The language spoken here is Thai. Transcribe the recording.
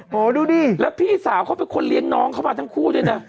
ดูดิแล้วพี่สาวเขาเป็นคนเลี้ยงน้องเขามาทั้งคู่ด้วยนะ